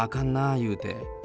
言うて。